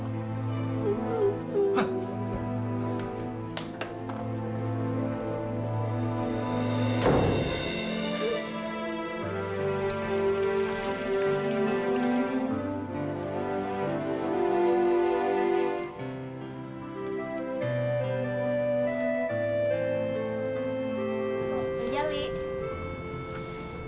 terima kasih siang